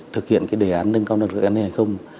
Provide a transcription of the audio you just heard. thực hiện đề án nâng cao năng lực an ninh hàng không